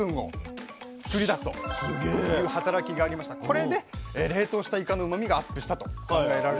これで冷凍したイカのうまみがアップしたと考えられているんです。